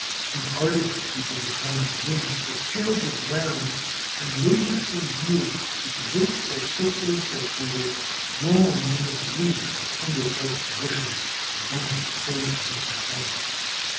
Newman] An ardent group of Italian women prepared the ground and labored for years to convince their sisters that they were wrong in the belief that under all conditions "a woman's place is in her home."